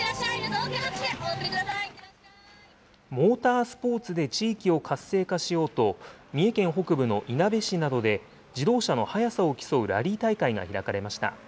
モータースポーツで地域を活性化しようと、三重県北部のいなべ市などで自動車の速さを競うラリー大会が開かれました。